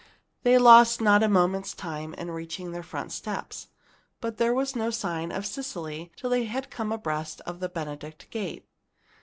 They lost not a moment's time in reaching their front steps. But there was no sign of Cecily till they had come abreast of the Benedict gate.